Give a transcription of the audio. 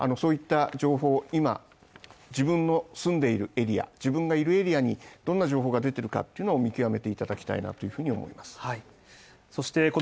そういった情報、今、自分の住んでいるエリア、自分がいるエリアにどんな情報が出てるかっていうのを見極めていただきたいなというふうに思います